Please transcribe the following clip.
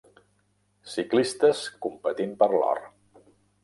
Ciclistes competint per l'or.